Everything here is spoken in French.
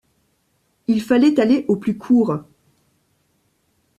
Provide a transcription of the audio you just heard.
Il fallait aller au plus court.